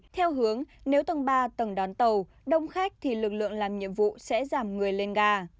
theo hướng nếu tầng ba tầng đón tàu đông khách thì lực lượng làm nhiệm vụ sẽ giảm người lên gà